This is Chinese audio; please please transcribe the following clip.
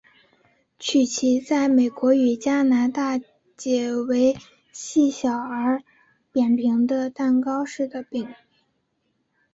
曲奇在美国与加拿大解为细小而扁平的蛋糕式的面饼。